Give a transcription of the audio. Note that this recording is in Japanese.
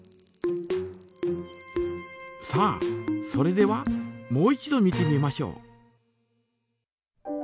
さあそれではもう一度見てみましょう。